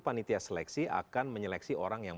panitia seleksi akan menyeleksi orang yang